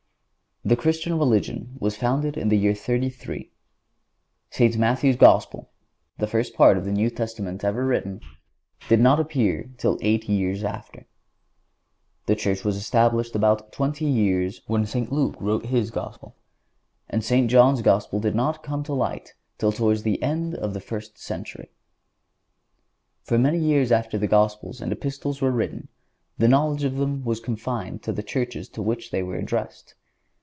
The Christian religion was founded in the year 33. St. Matthew's Gospel, the first part of the New Testament ever written, did not appear till eight years after. The Church was established about twenty years when St. Luke wrote his Gospel. And St. John's Gospel did not come to light till toward the end of the first century. For many years after the Gospels and Epistles were written the knowledge of them was confined to the churches to which they were addressed.